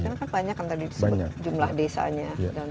karena kan banyak kan tadi disebut jumlah desanya